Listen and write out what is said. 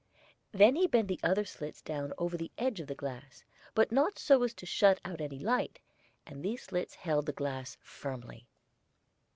Then he bent the other slits down over the edge of the glass, but not so as to shut out any light, and these slits held the glass firmly.